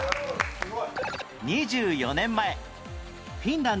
すごい！